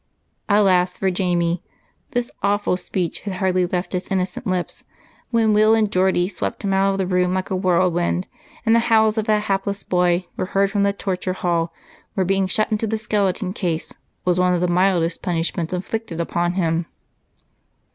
Alas for Jamie! This awful speech had hardly left his innocent lips when Will and Geordie swept him out of the room like a whirlwind, and the howls of that hapless boy were heard from the torture hall, where being shut into the skeleton case was one of the mildest punishments inflicted upon him.